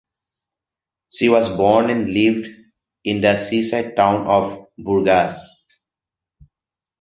She was born and lived in the seaside town of Burgas.